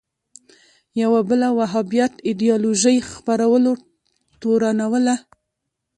یوه بله وهابیت ایدیالوژۍ خپرولو تورنوله